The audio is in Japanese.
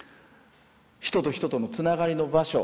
人と人とのつながりの場所。